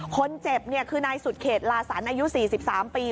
คนเจ็บคือนายสุดเขตลาสันอายุ๔๓ปี